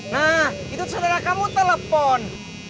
nah itu saudara kamu telepon